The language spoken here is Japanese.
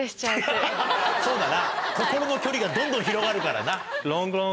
そうだな心の距離がどんどん広がるからな。